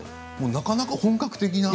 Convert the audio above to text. なかなか本格的な。